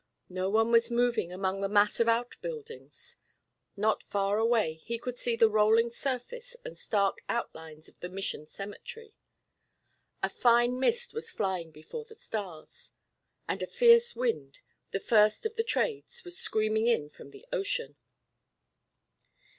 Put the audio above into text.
No one was moving among the mass of outbuildings. Not far away he could see the rolling surface and stark outlines of the Mission cemetery. A fine mist was flying before the stars; and a fierce wind, the first of the trades, was screaming in from the ocean.